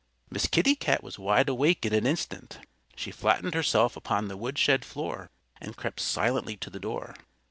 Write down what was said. Miss Kitty Cat was wide awake in an instant. She flattened herself upon the woodshed floor and crept silently to the door.